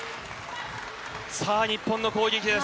さあ、日本の攻撃です。